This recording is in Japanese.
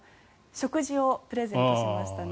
食事をプレゼントしましたね。